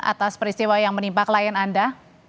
atas peristiwa yang menimpa klien anda